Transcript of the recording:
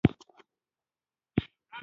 هلک شپیلۍ ږغوي